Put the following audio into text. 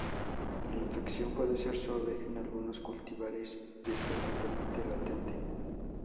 La infección puede ser suave en algunos cultivares y es frecuentemente latente.